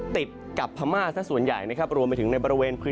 ติดกับพม่าซะส่วนใหญ่นะครับ